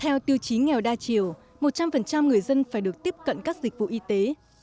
theo tiêu chí nghèo đa chiều một trăm linh người dân phải được tiếp cận các dịch vụ y tế